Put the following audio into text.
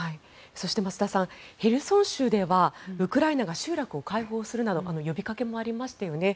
そして増田さんヘルソン州ではウクライナが集落を解放するなど呼びかけもありましたよね。